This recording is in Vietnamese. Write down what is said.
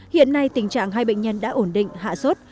hiện nay tình trạng hai bệnh nhân đã ổn định hạ sốt